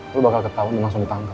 lo bakal ketahuan langsung ditangkap